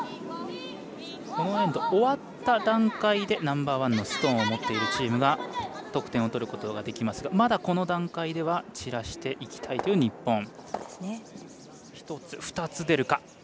このエンド終わった段階でナンバーワンのストーンを持っているチームが得点を取ることができますがこの段階では散らしていきたいという日本。